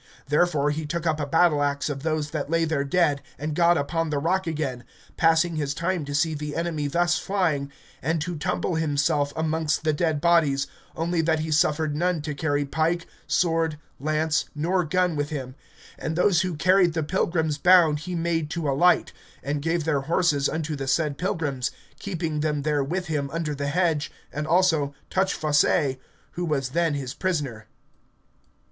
Therefore he took up a battle axe of those that lay there dead, and got upon the rock again, passing his time to see the enemy thus flying and to tumble himself amongst the dead bodies, only that he suffered none to carry pike, sword, lance, nor gun with him, and those who carried the pilgrims bound he made to alight, and gave their horses unto the said pilgrims, keeping them there with him under the hedge, and also Touchfaucet, who was then his prisoner.